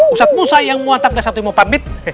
usap musai yang muat tak berresabtu yang mau pamit